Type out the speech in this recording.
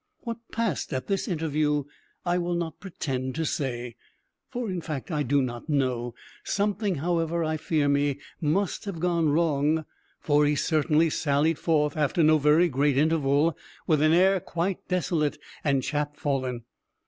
What passed at this interview I will not pretend to say, for in fact I do not know. Something, however, I fear me, must have gone wrong, for he certainly sallied forth, after no very great interval, with an air quite desolate and chapfallen.